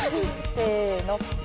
せの。